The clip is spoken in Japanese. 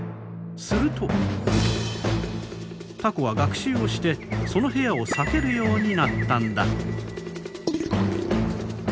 するとタコは学習をしてその部屋を避けるようになったんだ。